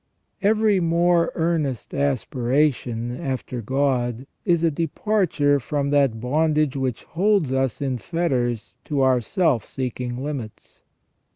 Every more earnest aspiration after God is a departure from that bondage which holds us in fetters to our self seeking limits.